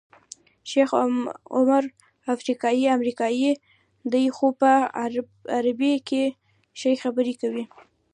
شیخ عمر افریقایی امریکایی دی خو په عربي کې ښې خبرې کوي.